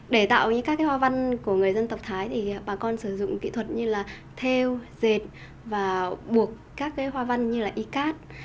để tạo những các cái hòa văn của người dân tộc thái thì bà con sử dụng kỹ thuật như là theo dệt và buộc các cái hòa văn như là y cát